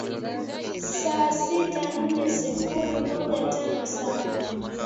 saba sita nne sifuri moja tano saba